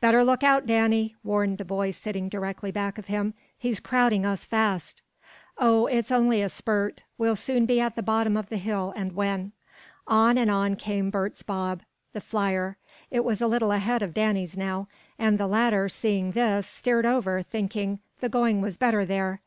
"Better look out, Danny," warned the boy sitting directly back of him. "He's crowding us fast." "Oh, it's only a spurt. We'll soon be at the bottom of the hill and win." On and on came Bert's bob, the Flier. It was a little ahead of Danny's now, and the latter, seeing this, steered over, thinking the going was better there.